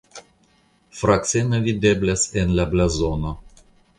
Frakseno videblas en la blazono.